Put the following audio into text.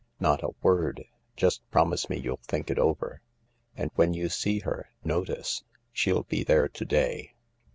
"Not a word; just promise me you'll think it over. And when you see her, notice. She'll be there to day."